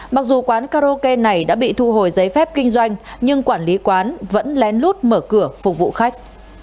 mặc dù quán karaoke này đã bị thu hồi giấy phép kinh doanh nhưng quản lý quán vẫn lén lút mở cửa phục vụ khách